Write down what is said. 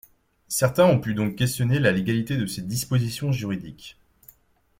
Certains ont pu donc questionner la légalité de ces dispositions juridiques.